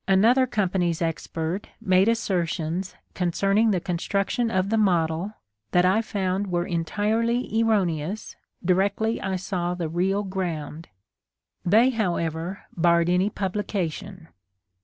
Another Com pany's expert made assertions concerning the construction of the *' model" that I found were entirely erroneous directly I saw the real ground! They, however, barred any publication.